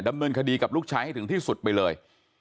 ดำเนินคดีกับลูกชายให้ถึงที่สุดไปเลย